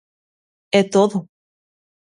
E todo.